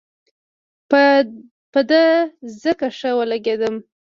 په ده ځکه ښه ولګېدم.